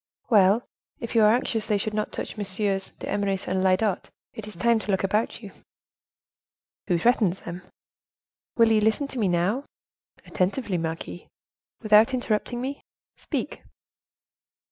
"Well, if you are anxious they should not touch MM. d'Eymeris and Lyodot, it is time to look about you." "Who threatens them?" "Will you listen to me now?" "Attentively, marquise." "Without interrupting me?" "Speak."